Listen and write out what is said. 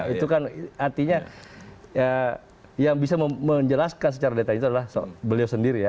itu kan artinya yang bisa menjelaskan secara detail itu adalah beliau sendiri ya